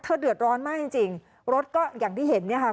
เธอเดือดร้อนมากจริงรถก็อย่างที่เห็นนี่ค่ะ